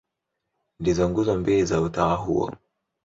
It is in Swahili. Ndizo nguzo mbili za utawa huo.